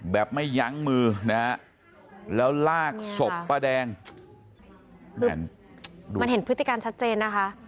แบบไม่ยั้งมือนะฮะแล้วลากศพป้าแดงมันเห็นพฤติการชัดเจนนะคะ